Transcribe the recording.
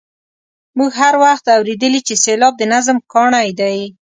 موږ هر وخت اورېدلي چې سېلاب د نظم کاڼی دی.